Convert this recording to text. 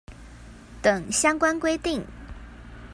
等相關規定